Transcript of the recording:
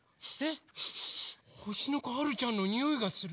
ほしのこはるちゃんのにおいがする。